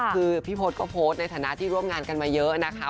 คือพี่พศก็โพสต์ในฐานะที่ร่วมงานกันมาเยอะนะคะ